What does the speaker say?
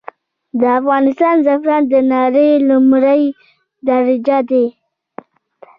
د افغانستان زعفران د نړې لمړی درجه دي.